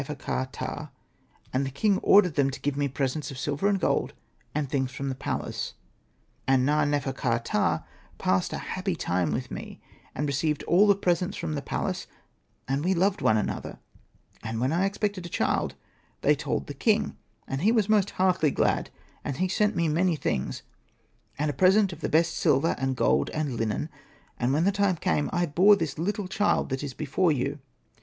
nefer.ka.ptah ; and the king ordered them to give me presents of silver and gold, and things from the palace. " And Na.nefer.ka.ptah passed a happy time with me, and received all the presents from the palace ; and we loved one another. And when I expected a child, they told the king, and he was most heartily glad ; and he sent me many things, and a present of the best silver and gold and linen. And when the time came, I bore this little child that is before you.